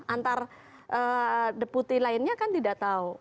antar deputi lainnya kan tidak tahu